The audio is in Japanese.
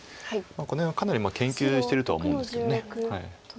この辺はかなり研究してるとは思うんですけど。